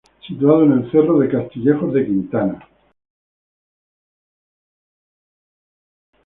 Situado en el cerro de Castillejos de Quintana.